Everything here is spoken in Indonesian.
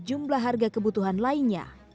sejumlah harga kebutuhan lainnya